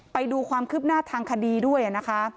ไปดูความคืบหน้าทางคดีด้วยนะคะ